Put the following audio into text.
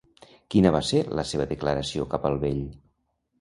Quina va ser la seva declaració cap al vell?